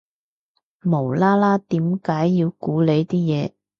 無啦啦點解要估你啲嘢